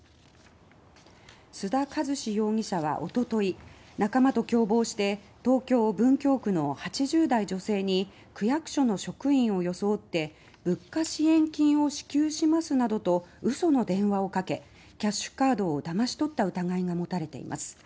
須田一士容疑者はおととい仲間と共謀して東京・文京区の８０代女性に区役所の職員を装って物価支援金を支給しますなどと嘘の電話をかけキャッシュカードをだまし取った疑いが持たれています。